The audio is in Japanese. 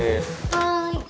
・はい。